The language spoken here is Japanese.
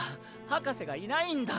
博士がいないんだ。